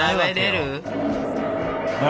あれ？